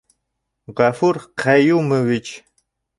Ғәфүр Ҡәйүмович...